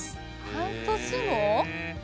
半年も。